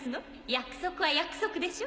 約束は約束でしょ